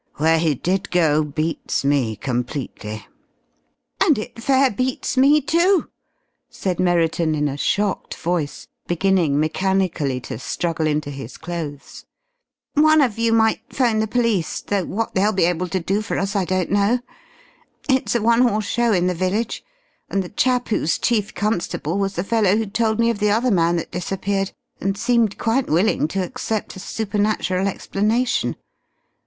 Where he did go beats me completely!" "And it fair beats me, too!" said Merriton, in a shocked voice, beginning mechanically to struggle into his clothes. "One of you might 'phone the police though what they'll be able to do for us I don't know. It's a one horse show in the village, and the chap who's chief constable was the fellow who told me of the other man that disappeared, and seemed quite willing to accept a supernatural explanation.